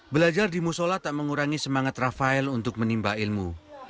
belajar di musola tak mengurangi semangat rafael untuk menimba ilmu